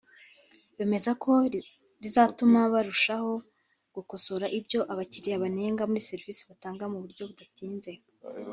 bemeza ko rizatuma barushaho gukosora ibyo abakiriya banenga muri serivise batanga mu buryo budatinze